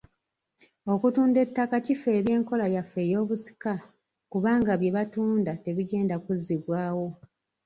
Okutunda ettaka kifeebya enkola yaffe ey’obusika kubanga bye batunda tebigenda kuzzibwawo.